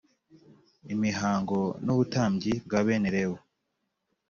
Imihago n ubutambyi bwa bene lewi